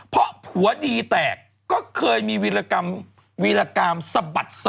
เพราะผัวดีแตกก็เคยมีวีรกรรมสะบัด